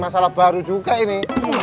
masalah baru juga ini